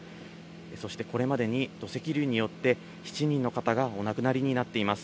そしてこれまでに土石流によって、７人の方がお亡くなりになっています。